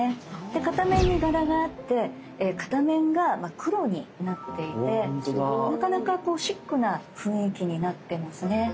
で片面に柄があって片面が黒になっていてなかなかシックな雰囲気になってますね。